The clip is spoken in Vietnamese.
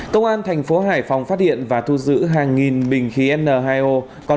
công an thành phố hải phòng phát hiện và thu giữ hàng nghìn bình khí n hai o